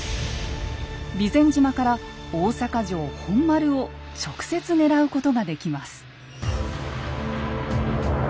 備前島から大坂城本丸を直接狙うことができます。